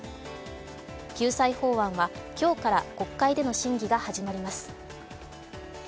救済法案は今日から国会での審議が始まります。